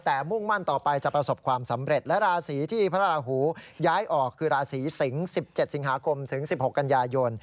แต่มุ่งมั่นต่อไปจะประสบความสำเร็จและราศีที่พระราหูย้ายออกคือราศี๑๗๑๖สิงหาคม